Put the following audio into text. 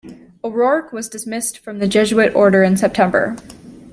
O'Rourke was dismissed from the Jesuit Order in September.